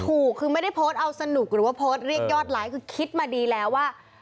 ถูกคือไม่ได้โพสต์เอาสนุกหรือว่าโพสต์เรียกยอดไลค์คือคิดมาดีแล้วว่า